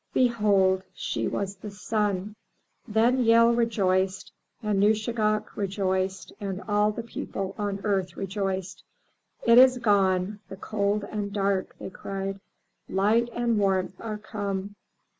Behold! She was the Sun. Then Yehl rejoiced and Nuschagak rejoiced and all the people on earth rejoiced. "It is gone — the cold and dark!" they cried. "Light and warmth are come!